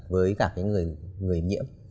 với cả cái người nhiễm